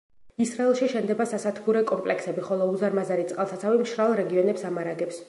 ისრაელში შენდება სასათბურე კომპლექსები, ხოლო უზარმაზარი წყალსაცავი მშრალ რეგიონებს ამარაგებს.